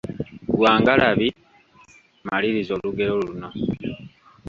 Gwa ngalabi, maliriza olugero luno.